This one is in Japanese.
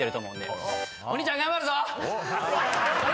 お兄ちゃん頑張るからな！